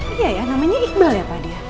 iya ya namanya iqbal ya pak dia